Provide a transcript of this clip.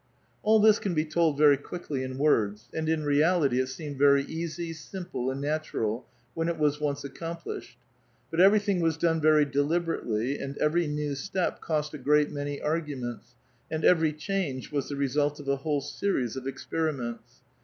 All this can be told very quickly in words, and in reality it seemed very easy, simple, and natural, when it was once accomplished. But everything was* done very deliberately, and every new step cost a great many arguments, and every change was the result of a whole series of experiments.